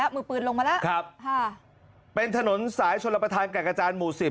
มือปืนลงมาแล้วครับฮะเป็นถนนสายชนรับประทานแก่กระจารหมู่สิบ